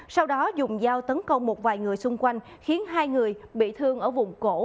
sau đó dùng dao tấn công một vài người xung quanh khiến hai người bị thương ở vùng cổ